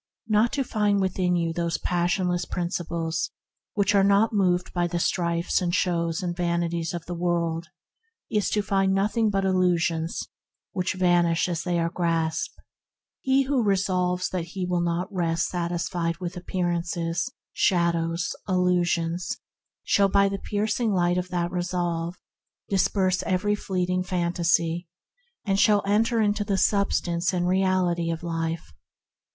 Not to find within you the passionless Principles that are unmoved by the strifes and shows and vanities of the world, is to find nothing but illusions that vanish as they are grasped. 84 THE HEAVENLY LIFE He who resolves that he will not rest satisfied with appearances, shadows, illu sions shall, by the piercing light of that resolve, disperse every fleeting phantasy, and shall enter into the substance and reality of life.